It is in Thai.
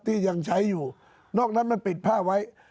ที่ยังใช้อยู่นอกนั้นมันปิดผ้าไว้